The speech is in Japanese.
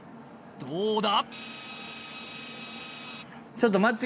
どうだ？